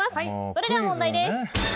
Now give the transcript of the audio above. それでは問題です。